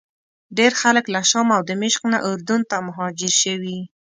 ډېر خلک له شام او دمشق نه اردن ته مهاجر شوي.